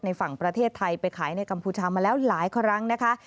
ฝั่งประเทศไทยไปขายในกัมพูชามาแล้วหลายครั้งนะคะ